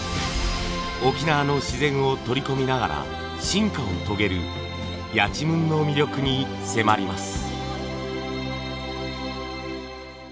沖縄の自然を取り込みながら進化を遂げるやちむんの魅力に迫ります。